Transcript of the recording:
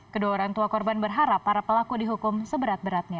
kedua orang tua korban berharap para pelaku dihukum seberat beratnya